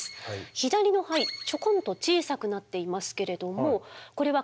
左の肺ちょこんと小さくなっていますけれどもこれははあ。